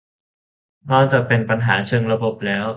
นอกจะเป็นปัญหาเชิงระบบแล้ว